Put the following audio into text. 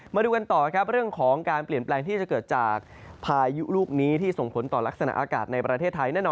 มาดูกันต่อครับเรื่องของการเปลี่ยนแปลงที่จะเกิดจากพายุลูกนี้ที่ส่งผลต่อลักษณะอากาศในประเทศไทยแน่นอน